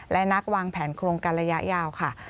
และนักวางแผนโครงการระยะยาวค่ะ